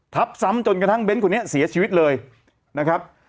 ทับซ้ำจนกระทั่งเบ้นคนนี้เสียชีวิตเลยนะครับ